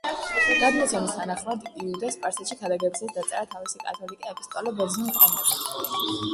გადმოცემის თანახმად, იუდა სპარსეთში ქადაგებისას დაწერა თავისი კათოლიკე ეპისტოლე ბერძნულ ენაზე.